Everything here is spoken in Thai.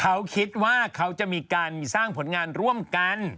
เขาคิดว่าเขาจะมีการสร้างผลงานร่วมกัน